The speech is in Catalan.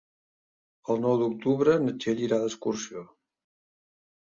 El nou d'octubre na Txell irà d'excursió.